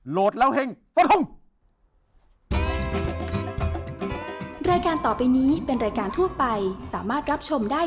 โหลดแล้วเฮ่งสวัสดีครับ